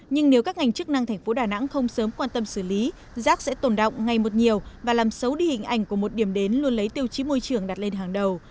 nhưng nếu các ngành chức năng thành phố đà nẵng không sớm quan tâm xử lý rác sẽ tồn động ngay một nhiều và làm xấu đi hình ảnh của một điểm đến luôn lấy tiêu chí môi trường đặt lên hàng đầu